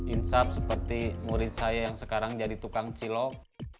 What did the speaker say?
insaf seperti murid saya yang sekarang jadi tukang cilok